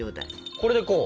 これでこう？